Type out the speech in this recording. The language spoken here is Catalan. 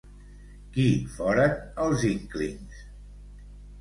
Qui foren els Inklings?